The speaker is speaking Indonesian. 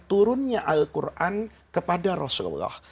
turunnya al quran kepada rasulullah